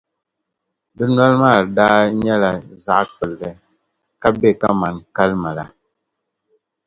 Di noli maa daa nyɛla zaɣ’ kpilli, ka be kaman kalima la.